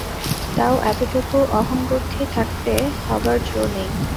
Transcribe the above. তাও এতটুকু অহংবুদ্ধি থাকতে হবার যো নেই।